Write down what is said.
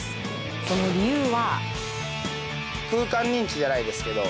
その理由は。